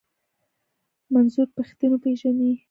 منظور پښتين و پېژنئ.